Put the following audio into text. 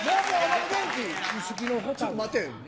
ちょっと待て。